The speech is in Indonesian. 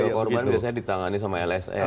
keluarga korban biasanya ditangani sama lse